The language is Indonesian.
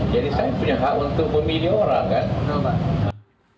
jadi saya punya hak untuk memilih orang kan